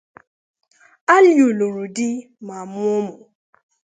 Aliu lụrụ di ma mụọ ụmụ.